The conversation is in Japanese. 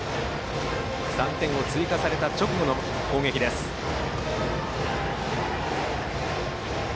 ３点を追加された直後の攻撃です、近江高校。